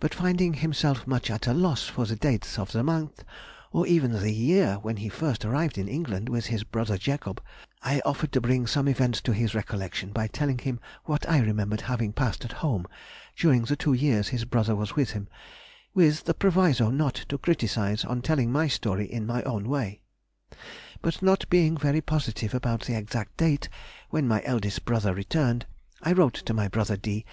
But finding himself much at a loss for the dates of the month, or even the year when he first arrived in England with his brother Jacob, I offered to bring some events to his recollection by telling what I remembered having passed at home during the two years his brother was with him, with the proviso not to criticize on telling my story in my own way. But not being very positive about the exact date when my eldest brother returned, I wrote to my brother D.